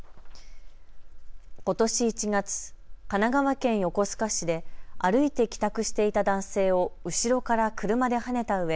ことし１月、神奈川県横須賀市で歩いて帰宅していた男性を後ろから車ではねたうえ